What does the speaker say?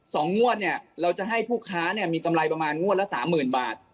งวดเนี่ยเราจะให้ผู้ค้าเนี่ยมีกำไรประมาณงวดละสามหมื่นบาท